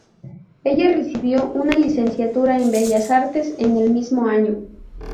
Ella recibió una Licenciatura en Bellas Artes en el mismo año.